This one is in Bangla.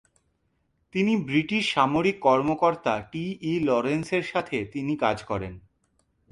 তিনি ব্রিটিশ সামরিক কর্মকর্তা টি ই লরেন্সের সাথে তিনি কাজ করেন।